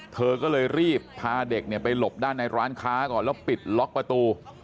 เธอก็เลยรีบพาเด็กไปหลบด้านในร้านค้าก่อนแล้วปิดล็อกประตู